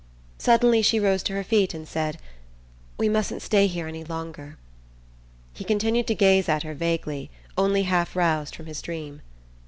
Suddenly she rose to her feet and said: "We mustn't stay here any longer." He continued to gaze at her vaguely, only half roused from his dream.